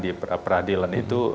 di peradilan itu